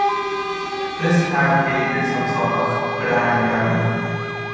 This had created some sort of brand value.